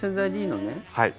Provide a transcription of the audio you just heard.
はい。